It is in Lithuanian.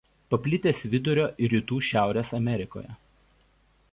Paplitęs vidurio ir rytų Šiaurės Amerikoje.